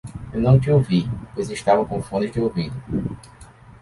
Eu não te ouvi, pois estava com fones de ouvido.